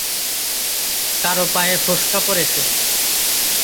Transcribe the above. কারো পায়ে ফোস্কা পড়েছে।